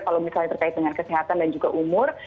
kalau misalnya terkait dengan kesehatan dan juga umur